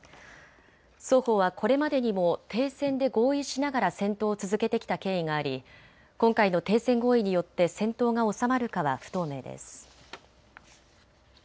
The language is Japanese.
双方はこれまでにも停戦で合意しながら戦闘を続けてきた経緯があり今回の停戦合意によって戦闘が収まるかは不透明です。